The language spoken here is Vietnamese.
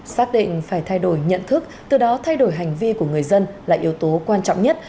xác định phải thay đổi nhận thức từ đó thay đổi hành vi của người dân là yếu tố quan trọng nhất